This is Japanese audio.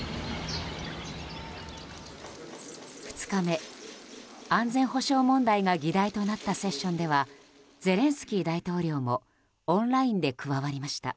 ２日目、安全保障問題が議題となったセッションではゼレンスキー大統領もオンラインで加わりました。